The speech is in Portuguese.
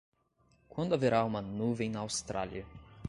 Quando haverá uma nuvem na Austrália?